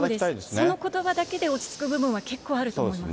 そのことばだけで落ち着く部分は結構あると思います。